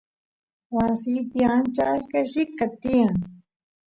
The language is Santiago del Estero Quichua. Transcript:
wasiypi ancha achka llika tiyan